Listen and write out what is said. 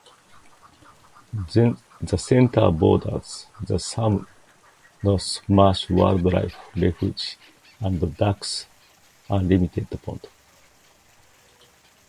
The Centre borders the Somenos Marsh Wildlife Refuge and Ducks Unlimited pond.